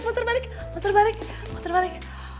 motor balik motor balik